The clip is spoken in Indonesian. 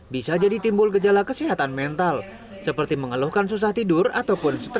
bisa jadi timbul gejala kesehatan mental seperti mengeluhkan susah tidur ataupun stres